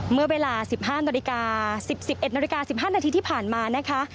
เมื่อเวลา๑๑ณได้ผ่านมา